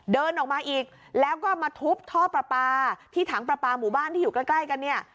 เดินออกมาอีกแล้วก็มาทุบท่อประปาที่ถังประปาหมู่บ้านที่อยู่ใกล้กันเนี่ย